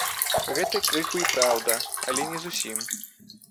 Гэта крыху й праўда, але не зусім.